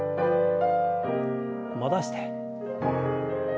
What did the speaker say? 戻して。